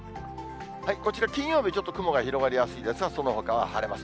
こちら、金曜日、ちょっと雲が広がりやすいですが、そのほかは晴れます。